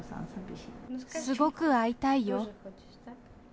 すごく会いたいよ。